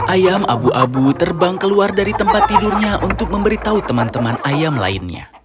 ayam abu abu terbang keluar dari tempat tidurnya untuk memberitahu teman teman ayam lainnya